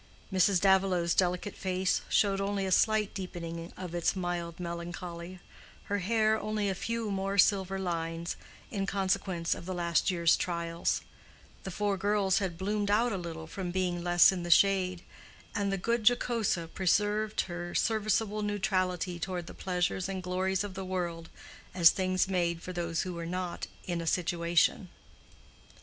Mrs. Davilow's delicate face showed only a slight deepening of its mild melancholy, her hair only a few more silver lines, in consequence of the last year's trials; the four girls had bloomed out a little from being less in the shade; and the good Jocosa preserved her serviceable neutrality toward the pleasures and glories of the world as things made for those who were not "in a situation."